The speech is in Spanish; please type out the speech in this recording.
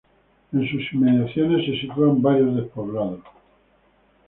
En sus inmediaciones se sitúan varios despoblados.